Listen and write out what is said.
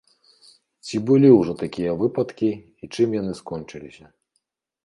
Ці былі ўжо такія выпадкі і чым яны скончыліся?